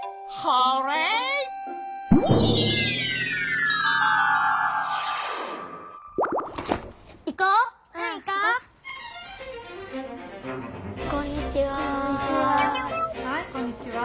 はいこんにちは。